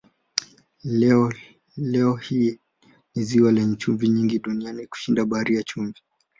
Leo hii ni ziwa lenye chumvi nyingi duniani kushinda Bahari ya Chumvi.